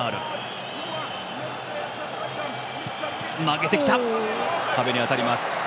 曲げてきたが、壁に当たります。